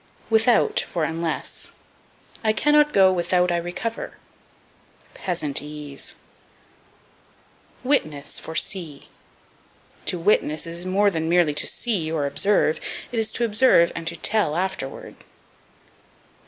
Without for Unless. "I cannot go without I recover." Peasantese. Witness for See. To witness is more than merely to see, or observe; it is to observe, and to tell afterward.